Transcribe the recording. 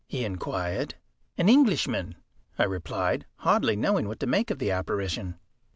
he inquired. "An Englishman," I replied, hardly knowing what to make of the apparition.